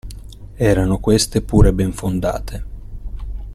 Erano queste pure ben fondate.